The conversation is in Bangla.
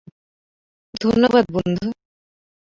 ধন্যবাদ, বন্ধু।